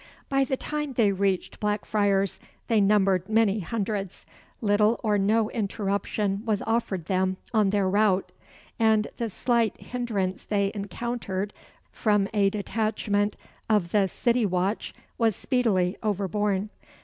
By the time they reached Blackfriars they numbered many hundreds. Little or no interruption was offered them on their route; and the slight hindrance they encountered from a detachment of the city watch was speedily overborne.